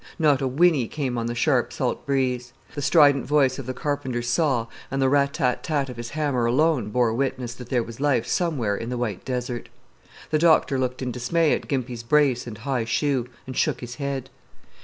Not a whinny came on the sharp salt breeze. The strident voice of the carpenter's saw and the rat tat tat of his hammer alone bore witness that there was life somewhere in the white desert. The doctor looked in dismay at Gimpy's brace and high shoe, and shook his head.